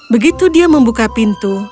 begitu dia membuka pintu